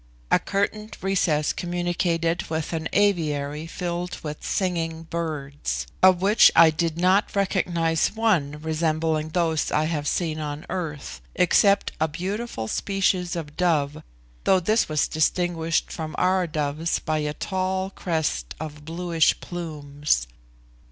A curtained recess communicated with an aviary filled with singing birds, of which I did not recognise one resembling those I have seen on earth, except a beautiful species of dove, though this was distinguished from our doves by a tall crest of bluish plumes.